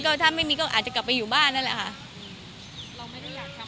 ก็ถ้าไม่มีก็อาจจะกลับไปอยู่บ้านนั่นแหละค่ะเราไม่ได้อยากทำอะไรเป็นพิเศษใช่ไหมค่ะ